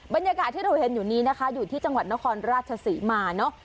บรรยากาศที่เราเห็นอยู่นี้นะคะอยู่ที่จังหวัดนครราชศรีมาเนอะ